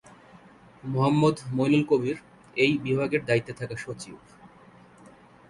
মোহাম্মদ মইনুল কবির এই বিভাগের দায়িত্বে থাকা সচিব।